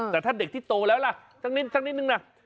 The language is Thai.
แต่ถ้าเด็กที่โตแล้วล่ะสักนิดนึงนะ